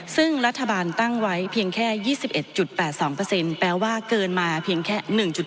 ซึ่งรัฐบาลตั้งไว้เพียงแค่๒๑๘๒แปลว่าเกินมาเพียงแค่๑๗